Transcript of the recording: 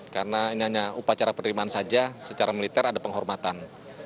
karena ini hanya upacara penerimaan saja secara militer ada penghormatan